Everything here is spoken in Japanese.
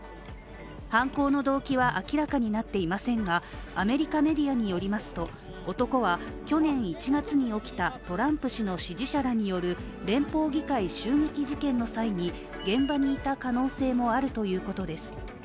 犯行の動機は明らかになっていませんがアメリカメディアによりますと男は去年１月に起きたトランプ氏の支持者らによる連邦議会襲撃事件の際に現場にいた可能性もあるということです。